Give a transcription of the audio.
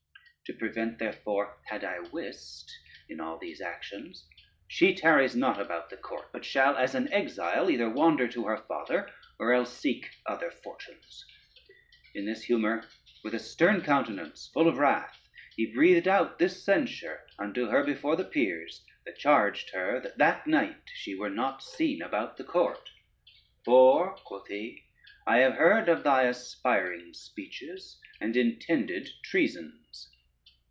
To prevent therefore had I wist in all these actions, she tarries not about the court, but shall (as an exile) either wander to her father, or else seek other fortunes." In this humor, with a stern countenance full of wrath, he breathed out this censure unto her before the peers, that charged her that that night she were not seen about the court: "for," quoth he, "I have heard of thy aspiring speeches, and intended treasons."